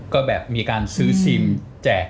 ก็แบบมีการซื้อซิมแจก